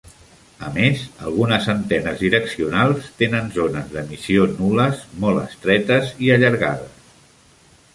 A més, algunes antenes direccionals tenen zones d'emissió nul·les molt estretes i allargades.